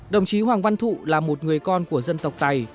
đồng chí hoàng văn thụ là một người con của dân tộc tài